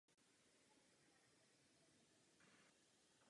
Marek Vrabec je zakladatelem i nynějším uměleckým ředitelem festivalu.